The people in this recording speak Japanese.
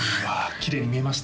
きれいに見えました？